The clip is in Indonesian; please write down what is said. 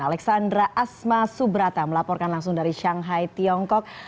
alexandra asma subrata melaporkan langsung dari shanghai tiongkok